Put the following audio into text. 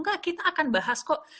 mbak hana akan bahas kok